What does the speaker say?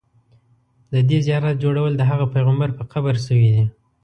د دې زیارت جوړول د هغه پیغمبر په قبر شوي دي.